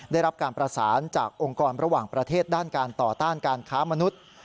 ได้รับการประสานจากองค์กรระหว่างประเทศด้านการต่อต้านการค้ามนุษย์